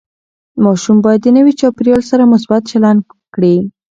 ماشوم باید د نوي چاپېریال سره مثبت چلند زده کړي.